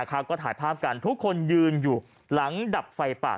ก็ถ่ายภาพกันทุกคนยืนอยู่หลังดับไฟป่า